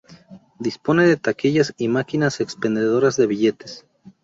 Dispone de taquillas y maquinas expendedoras de billetes.